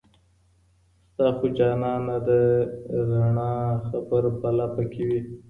ستا خو جانانه د رڼا خبر په لـپـه كي وي